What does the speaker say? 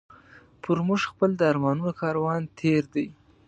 پر موږ خپل د ارمانونو کاروان تېر دی